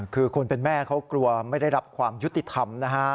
คือคนเป็นแม่เขากลัวไม่ได้รับความยุติธรรมนะฮะ